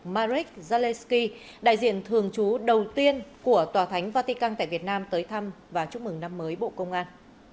marik zaleski đại diện thường trú đầu tiên của tòa thánh vatican tại việt nam tới thăm và chúc mừng năm mới bộ công an